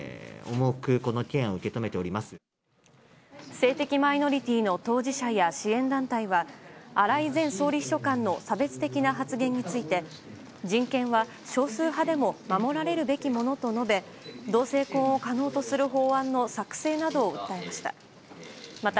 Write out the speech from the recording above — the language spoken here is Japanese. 性的マイノリティーの当事者や支援団体は荒井前総理秘書官の差別的な発言について人権は少数派でも守られるべきものと述べ同性婚を可能とする法案の作成などを訴えました。